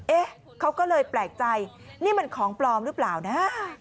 เอ๊ะเขาก็เลยแปลกใจนี่มันของปลอมหรือเปล่านะ